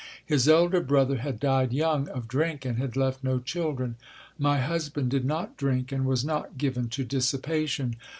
His elder brother had died young, of drink, and had left no children. My husband did not drink and was not given to dissipation.